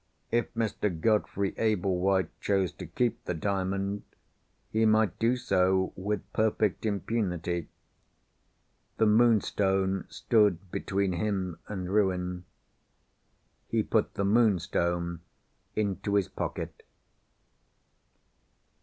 If Mr. Godfrey Ablewhite chose to keep the Diamond, he might do so with perfect impunity. The Moonstone stood between him and ruin. He put the Moonstone into his pocket.